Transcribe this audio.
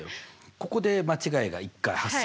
ここで間違いが１回発生したわけ。